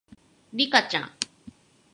リカちゃん